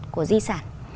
của di sản